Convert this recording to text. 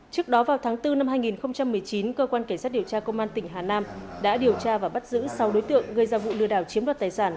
trước đó vào tháng bốn năm hai nghìn một mươi chín cơ quan cảnh sát điều tra công an tỉnh hà nam đã điều tra và bắt giữ sáu đối tượng gây ra vụ lừa đảo chiếm đoạt tài sản